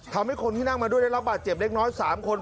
ทำให้คนที่นั่งมาด้วยได้รับบาดเจ็บเล็กน้อย๓คน